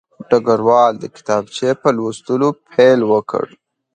ډګروال د کتابچې په لوستلو پیل وکړ